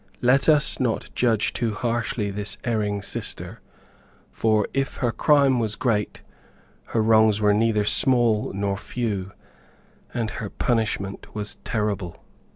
Let us not judge too harshly this erring sister, for if her crime was great, her wrongs were neither small nor few, and her punishment was terrible.